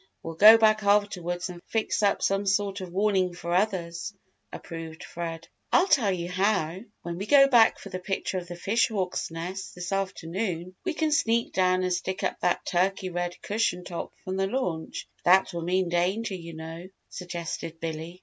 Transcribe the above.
We'll go back afterwards and fix up some sort of warning for others," approved Fred. "I'll tell you how! When we go back for the picture of the fish hawk's nest this afternoon, we can sneak down and stick up that Turkey red cushion top from the launch. That will mean danger, you know," suggested Billy.